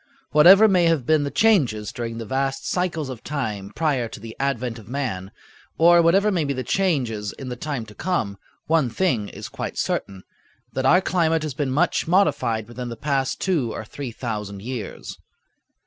Whatever may have been the changes during the vast cycles of time prior to the advent of man, or whatever may be the changes in the time to come, one thing is quite certain; that our climate has been much modified within the past two or three thousand years.